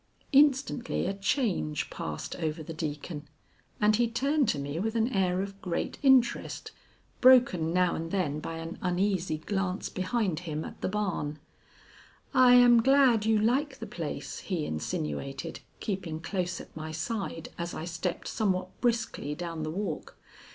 Instantly a change passed over the Deacon, and he turned to me with an air of great interest, broken now and then by an uneasy glance behind him at the barn. "I am glad you like the place," he insinuated, keeping close at my side as I stepped somewhat briskly down the walk.